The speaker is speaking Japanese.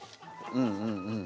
うんうんうん。